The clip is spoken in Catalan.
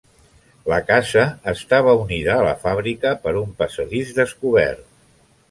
La casa estava unida a la fàbrica per un passadís descobert.